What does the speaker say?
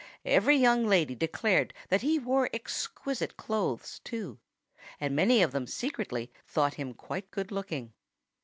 Every young lady declared that he wore exquisite clothes, too; and many of them secretly thought him quite good looking.